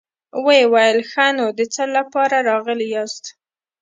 ويې ويل: ښه نو، د څه له پاره راغلي ياست؟